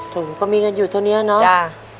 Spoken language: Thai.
ผลก็มีกันอยู่เท่านี้เล้๋อะเนอะ